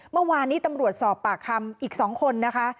เมื่อวานนี้ตำรวจสอบปากคำอีก๒คนนะคะ